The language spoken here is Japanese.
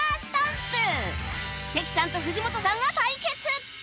関さんと藤本さんが対決！